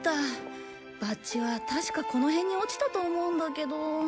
バッジは確かこの辺に落ちたと思うんだけど。